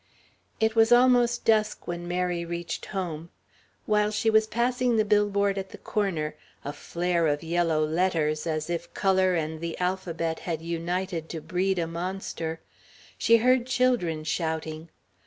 It was almost dusk when Mary reached home. While she was passing the billboard at the corner a flare of yellow letters, as if Colour and the Alphabet had united to breed a monster she heard children shouting.